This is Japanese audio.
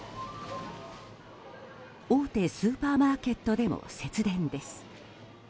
大手スーパーマーケットでも節電です。